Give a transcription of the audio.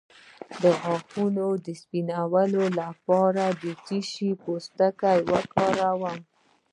د غاښونو د سپینولو لپاره د څه شي پوستکی وکاروم؟